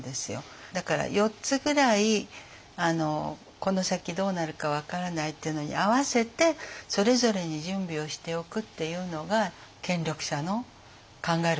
だから４つぐらいこの先どうなるか分からないっていうのに合わせてそれぞれに準備をしておくっていうのが権力者の考えることだと思うので。